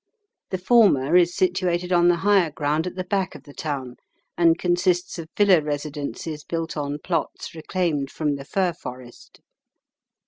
The former is situated on the higher ground at the back of the town, and consists of villa residences built on plots reclaimed from the fir forest.